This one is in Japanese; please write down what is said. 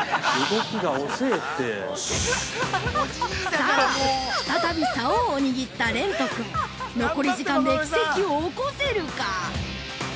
◆さあ再び竿を握った蓮人君、残り時間で奇跡を起こせるか？